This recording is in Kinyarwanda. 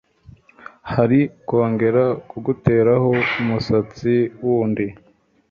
Hari kongera kuguteraho umusatsi wundi